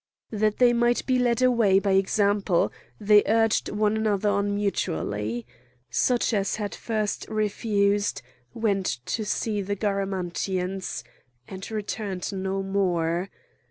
That they might be led away by example, they urged one another on mutually. Such as had at first refused went to see the Garamantians, and returned no more.